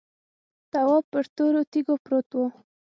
تواب پر تورو تیږو پروت و.